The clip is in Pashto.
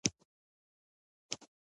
انسان له ژبې او لاس نه زيان رسوي.